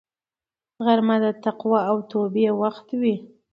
غرمه د تقوا او توبې وخت وي